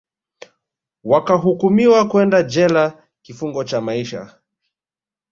wakahukumiwa kwenda jela kifungo cha maisha